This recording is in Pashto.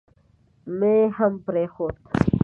مې هم پرېښود.